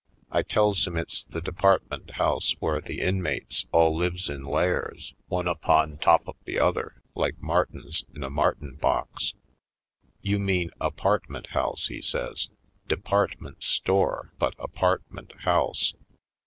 I tells him it's the department house where the inmates all lives in layers, one upon top of the other, like martins in a martin box. "You mean apartment house," he says; "department store, but apartment house.